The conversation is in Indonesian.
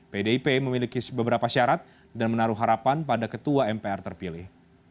pdip memiliki beberapa syarat dan menaruh harapan pada ketua mpr terpilih